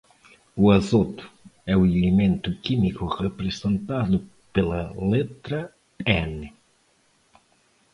O azoto é o elemento químico representado pela letra N.